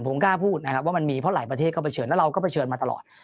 ผมกล้าพูดนะครับว่ามันมีเพราะหลายประเทศก็เฉินแล้วเราก็เผชิญมาตลอด